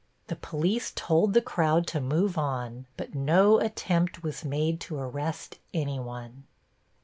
The police told the crowd to move on, but no attempt was made to arrest anyone.